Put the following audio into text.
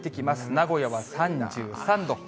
名古屋は３３度。